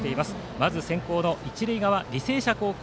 まず先攻の一塁側、履正社高校。